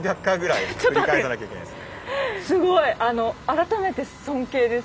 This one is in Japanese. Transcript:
すごい！改めて尊敬です。